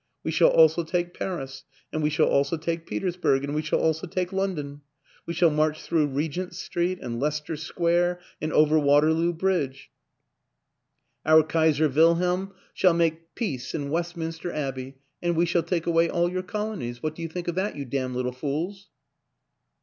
We shall also take Paris and we shall also take Petersburg and we shall also take London, We shall march through Regent Street and Leicester Square and orer Waterloo Bridge. Our Kaiser Wilhelm WILLIAM AN ENGLISHMAN 91 shall make peace in Westminster Abbey, and we shall take away all your colonies. What do you think of that, you damn little fools?